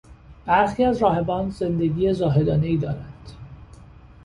برخی از راهبان زندگی زاهدانهای دارند.